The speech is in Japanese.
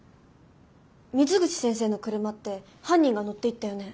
水口先生の車って犯人が乗っていったよね。